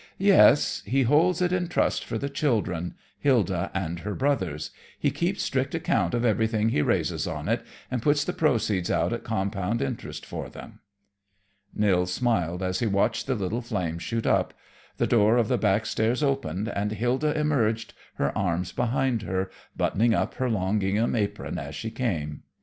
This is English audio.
"Yes; he holds it in trust for the children, Hilda and her brothers. He keeps strict account of everything he raises on it, and puts the proceeds out at compound interest for them." Nils smiled as he watched the little flames shoot up. The door of the back stairs opened, and Hilda emerged, her arms behind her, buttoning up her long gingham apron as she came.